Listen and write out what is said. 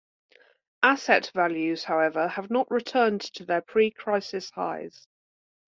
Asset values however, have not returned to their pre-crisis highs.